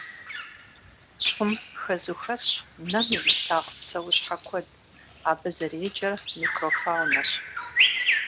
ЩӀым хэзу хэсщ нэм имылъагъу псэущхьэ куэд, абы зэреджэр микрофаунэщ.